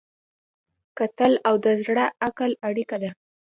کتل د زړه او عقل اړیکه ده